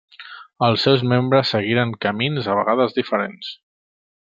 Els seus membres seguiren camins a vegades diferents.